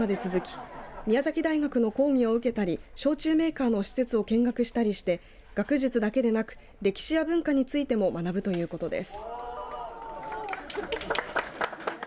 セミナーはあさってまで続き宮崎大学の講義を受けたり焼酎メーカーの施設を見学したりして学術だけでなく歴史や文化についても学ぶということです。